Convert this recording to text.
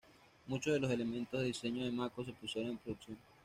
Muchos de los elementos de diseño de Mako se pusieron en producción.